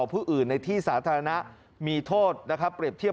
พวกผมพี่ครับไม่ให้ถูแล้วบอกผมดี